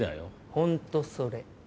ホントそれ。